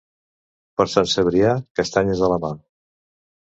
Per Sant Cebrià, castanyes a la mà.